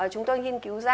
chúng tôi nghiên cứu